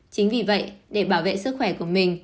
chính vì vậy để bảo vệ sức khỏe của mình